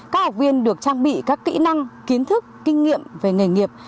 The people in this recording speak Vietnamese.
các học viên được trang bị các kỹ năng kiến thức kinh nghiệm về nghề nghiệp